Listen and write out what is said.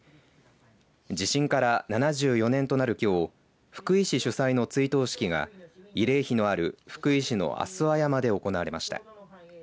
地震から７４年となるきょう福井市主催の追悼式が慰霊碑のある福井市の足羽山で行われました。